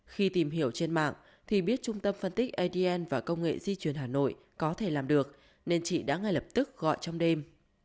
khi tìm hiểu trên mạng thì biết trung tâm phân tích adn và công nghệ di chuyển hà nội có thể làm được nên chị đã ngay lập tức gọi trong đêm